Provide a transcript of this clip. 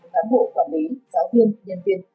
các bộ quản lý giáo viên nhân viên